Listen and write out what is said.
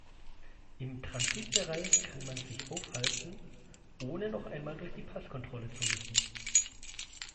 Im Transitbereich kann man sich aufhalten, ohne noch einmal durch die Passkontrolle zu müssen.